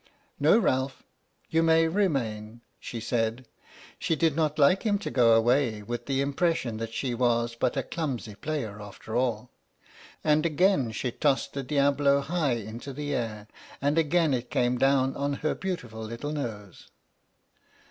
" No, Ralph, you may remain," she said. She did not like him to go away with the impression that she was but a clumsy player after all. And again she tossed the "Diabolo" high into the air, and again it came down on her beautiful little nose.